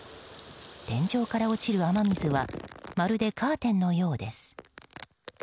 天井から落ちる雨水はまるでカーテンのようです。